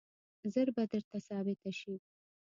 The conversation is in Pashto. ژر به درته ثابته شي.